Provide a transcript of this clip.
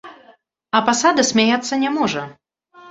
А пасада смяяцца не можа.